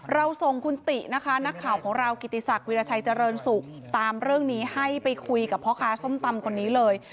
เราส่งคุณตินะคะนักข่าวของเรากิติศักดิราชัยเจริญสุขตามเรื่องนี้ให้ไปคุยกับพ่อค้าส้มตำคนนี้เลย